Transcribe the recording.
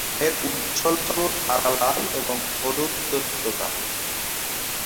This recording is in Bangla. এর উজ্জ্বলতম তারা লাল এবং হলুদ দৈত্য তারা।